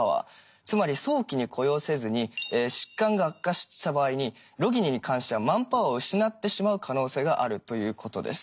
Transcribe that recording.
つまり早期に雇用せずに疾患が悪化した場合にロギニに関してはマンパワーを失ってしまう可能性があるということです。